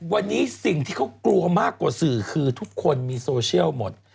วันนี้สิ่งที่เขากลัวมากกว่าสื่อคือทุกคนมีโซเชียลหมด